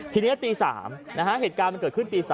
ทีนี้ตี๓เหตุการณ์มันเกิดขึ้นตี๓